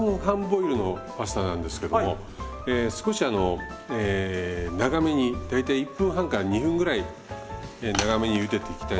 ボイルのパスタなんですけども少し長めに大体１分半から２分ぐらい長めにゆでていきたいなと思います。